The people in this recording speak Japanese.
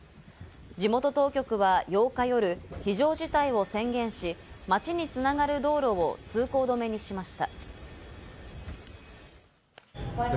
地元当局は８日夜、非常事態を宣言し、街に繋がる道路を通行止めにしました。